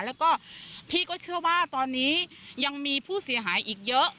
แล้วก็พี่ก็เชื่อว่าตอนนี้ยังมีผู้เสียหายอีกเยอะ